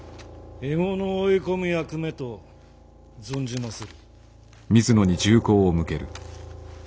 獲物を追い込む役目と存じまする。